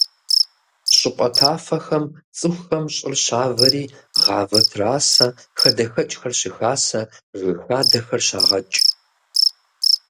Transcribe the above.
ЩӀыпӀэ тафэхэм цӀыхухэм щӀыр щавэри гъавэ трасэ, хадэхэкӀхэр щыхасэ, жыг хадэхэр щагъэкӀ.